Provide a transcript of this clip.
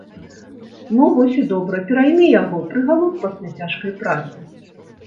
Ну, вось і добра, пераймі яго, прыгалуб пасля цяжкай працы.